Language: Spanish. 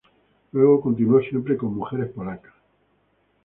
Luego continuó siempre con mujeres polacas.